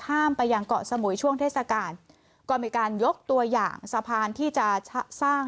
ไปยังเกาะสมุยช่วงเทศกาลก็มีการยกตัวอย่างสะพานที่จะสร้าง